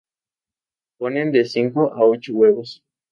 Ponen de cinco a ocho huevos.